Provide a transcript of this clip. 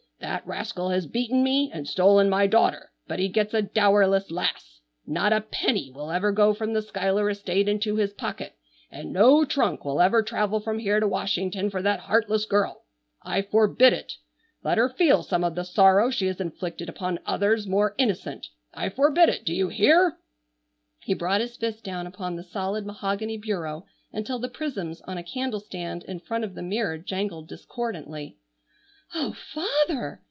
That rascal has beaten me and stolen my daughter, but he gets a dowerless lass. Not a penny will ever go from the Schuyler estate into his pocket, and no trunk will ever travel from here to Washington for that heartless girl. I forbid it. Let her feel some of the sorrow she has inflicted upon others more innocent. I forbid it, do you hear?" He brought his fist down upon the solid mahogany bureau until the prisms on a candle stand in front of the mirror jangled discordantly. "Oh, father!"